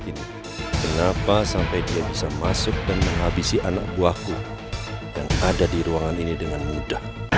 tapi kamu juga jangan takut